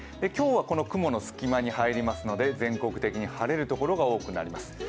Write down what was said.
今日は雲の隙間に入るので全国的に晴れる所が多くなります。